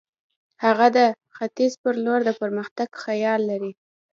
هغه د ختیځ پر لور د پرمختګ خیال لري.